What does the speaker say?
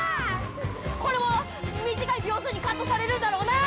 これも短い秒数にカットされるんだろうな。